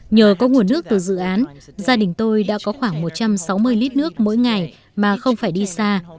nhờ có nguồn nước từ dự án gia đình tôi đã có khoảng một trăm sáu mươi lít nước mỗi ngày mà không phải đi xa